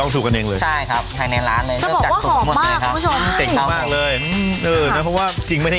ตัวด้วยฟาวก็มารับเลยถือนะคือว่าจริงไม่ได้